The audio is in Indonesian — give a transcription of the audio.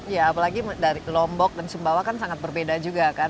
ya apalagi dari lombok dan sumbawa kan sangat berbeda juga kan